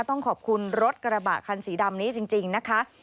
ต้องขอบคุณรถกระบะคันสีดำนี้จริงนะคะ